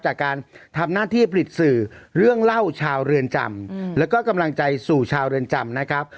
จากการทำหน้าที่ผลิตสื่อเรื่องเล่าชาวเรือนจำแล้วก็กำลังใจสู่ชาวเรือนจำนะครับ